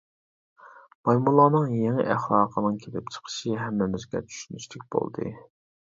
مايمۇنلارنىڭ يېڭى ئەخلاقىنىڭ كېلىپ چىقىشى ھەممىمىزگە چۈشىنىشلىك بولدى.